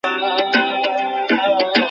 আপনার বার্তা কি?